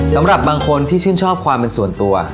สำหรับบางคนที่ชื่นชอบความเป็นส่วนตัว